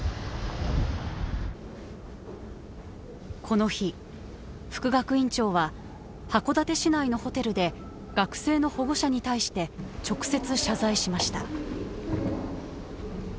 この日副学院長は函館市内のホテルで学生の保護者に対して直接謝罪しました。